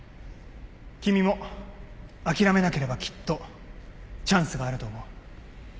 君も諦めなければきっとチャンスがあると思う。